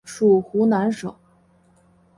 属湖南省。